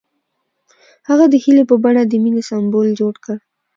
هغه د هیلې په بڼه د مینې سمبول جوړ کړ.